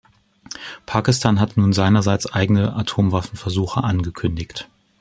Pakistan hat nun seinerseits eigene Atomwaffenversuche angekündigt.